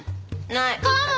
ない。